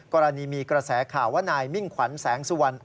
กรณีมีกระแสข่อไดมิงขวัญแสงสุวรรค์